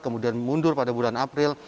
kemudian mundur pada bulan april